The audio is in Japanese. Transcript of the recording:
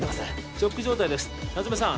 ショック状態です夏梅さん